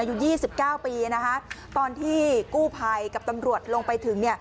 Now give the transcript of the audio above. อายุ๒๙ปีนะคะตอนที่กู้ภัยกับตำรวจลงไปถึงเนี่ย